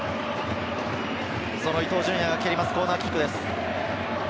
伊東純也が蹴ります、コーナーキックです。